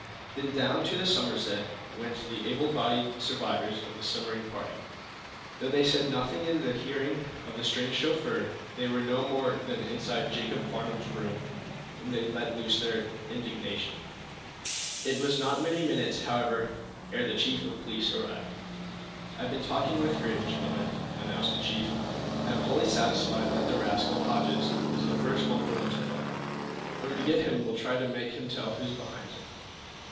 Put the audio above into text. Then down to the Somerset went the able bodied survivors of the submarine party. Though they said nothing in the hearing of the strange chauffeur, they were no more than inside Jacob's Farnum's room when they let loose their indignation. It was not many minutes, however, ere the chief of police arrived. "I've been talking with Graves, gentlemen," announced the chief, "and I'm wholly satisfied that the rascal, Hodges, is the first one we want to find. When we get him we'll try to make him tell who's behind him."